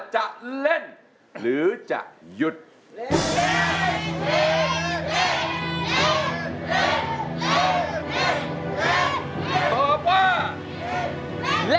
ไม่ใช้